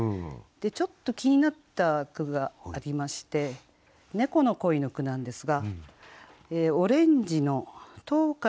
ちょっと気になった句がありまして「猫の恋」の句なんですが。